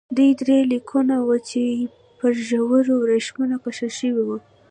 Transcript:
دوی درې لیکونه وو چې پر ژړو ورېښمو کښل شوي وو.